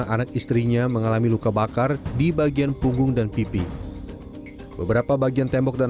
anak istrinya mengalami luka bakar di bagian punggung dan pipi beberapa bagian tembok dan